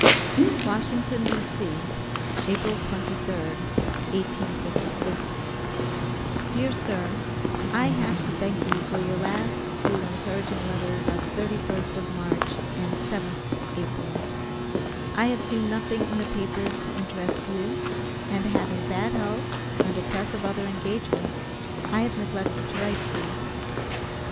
WASHINGTON, D.C., April 23d, 1856. DEAR SIR: I have to thank you for your last two encouraging letters of 31st of March and 7th April. I have seen nothing in the papers to interest you, and having bad health and a press of other engagements, I have neglected to write you.